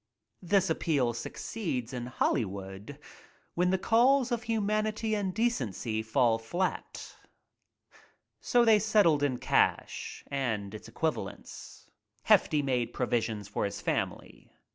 This appeal succeeds in Hollywood when the calls of humanity and decency fall flat. So they settled in cash and its equivalents. Hefty made provision for his family.